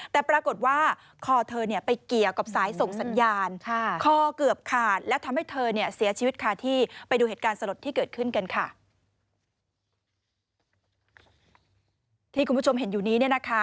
ที่คุณผู้ชมเห็นอยู่นี้